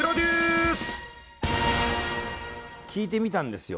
聞いてみたんですよ。